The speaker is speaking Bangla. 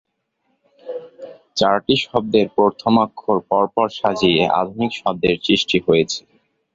চারটি শব্দের প্রথম অক্ষর পর পর সাজিয়ে ‘আধূনিক’ শব্দের সৃষ্টি হয়েছে।